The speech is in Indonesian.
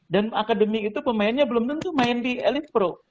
dan akademi itu pemainnya belum tentu main di elite pro